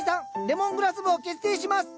レモングラス部を結成します！